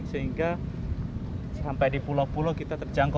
sehingga sampai di pulau pulau kita terjangkau